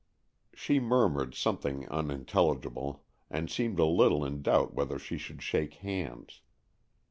She murmured something unintelligible, and seemed a little in doubt whether she should shake hands.